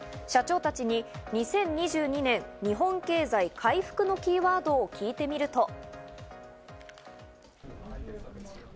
社長たちに２０２２年、日本経済回復のキーワードを聞いてみると。